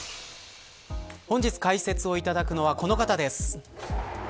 本日解説をいただくのはこの方です。